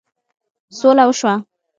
سوله وشوه.